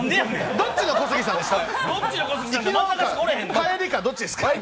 どっちの小杉さんですか？